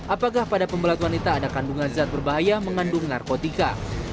apakah pada pembelat wanita ada kandungan zat berbahaya mengandung narkotika